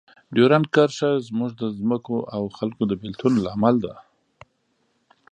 ډیورنډ کرښه زموږ د ځمکو او خلکو د بیلتون لامل ده.